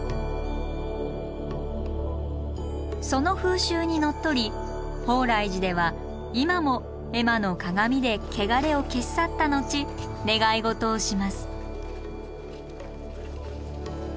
その風習にのっとり鳳来寺では今も絵馬の鏡で汚れを消し去った後願い事をします。